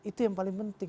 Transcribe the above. itu yang paling penting